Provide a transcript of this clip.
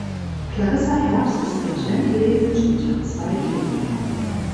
Clarissa Herbst ist getrennt lebend und hat zwei Kinder.